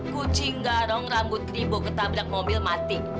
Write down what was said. kucing garong rambut ribu ketabrak mobil mati